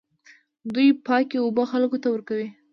دوی پاکې اوبه خلکو ته ورکوي.